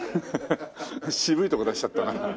渋いとこ出しちゃったな。